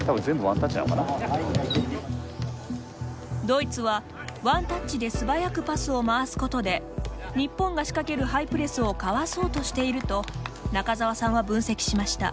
ドイツはワンタッチで素早くパスを回すことで日本が仕掛けるハイプレスをかわそうとしていると中澤さんは分析しました。